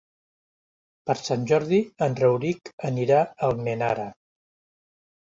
Per Sant Jordi en Rauric anirà a Almenara.